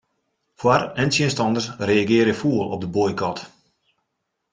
Foar- en tsjinstanners reagearje fûl op de boykot.